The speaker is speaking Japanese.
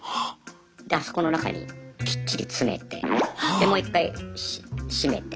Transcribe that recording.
であそこの中にきっちり詰めてでもう一回閉めて。